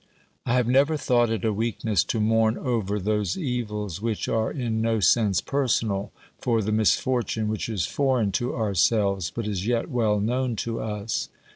I have never thought it a weakness to mourn over those evils which are in no sense personal, for the mis fortune which is foreign to ourselves, but is yet well known to us.